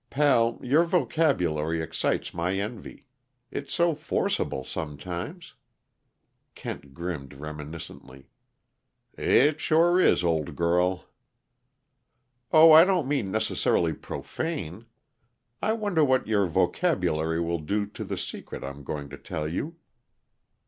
Pal, your vocabulary excites my envy. It's so forcible sometimes." Kent grinned reminiscently. "It sure is, old girl." "Oh, I don't mean necessarily profane. I wonder what your vocabulary will do to the secret I'm going to tell you."